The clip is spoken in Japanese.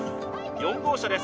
４号車です